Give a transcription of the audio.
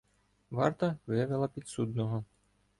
Варта вивела підсудного.